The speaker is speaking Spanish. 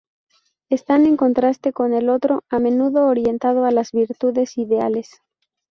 Están en contraste con el otro, a menudo orientado a las virtudes ideales.